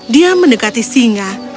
dia mendekati singa